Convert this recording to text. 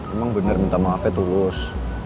emang bener minta maafnya tulus